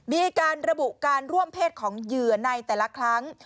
มีการระบุการร่วมเพศของเหยื่อในแต่ละครั้ง